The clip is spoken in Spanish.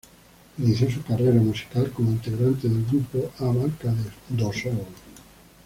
Inició su carrera musical como integrante del grupo A Barca do Sol.